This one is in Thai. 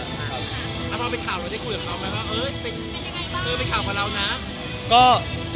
แล้วพอเป็นข่าวเราได้คุยกับเขาไหมว่าเออเป็นข่าวกับเรานะ